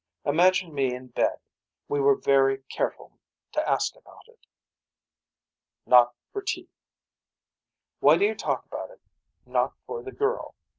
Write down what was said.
Imagine me in bed. We were very careful to ask about it. Not for teeth. Why do you talk about it not for the girl.